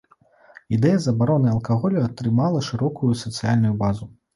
Ідэя забароны алкаголю атрымала шырокую сацыяльную базу.